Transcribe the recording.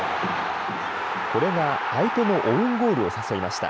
これが相手のオウンゴールを誘いました。